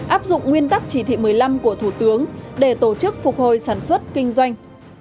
áp dụng nguyên tắc chỉ thị một mươi năm của thủ tướng để tổ chức phục hồi sản xuất kinh doanh